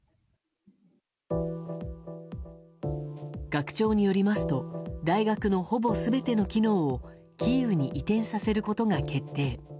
学長によりますと大学のほぼ全ての機能をキーウに移転させることが決定。